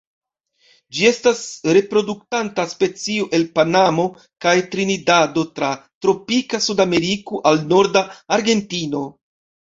Ĝi estas reproduktanta specio el Panamo kaj Trinidado tra tropika Sudameriko al norda Argentino.